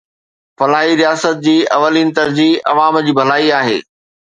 فلاحي رياست جي اولين ترجيح عوام جي ڀلائي آهي